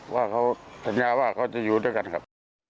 ว่าเขาสัญญาว่าเขาจะอยู่ด้วยกันครับ